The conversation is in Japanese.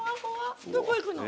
どこ行くの？